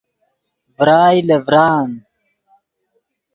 ڤرائے لے ڤران